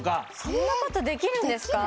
そんな事できるんですか？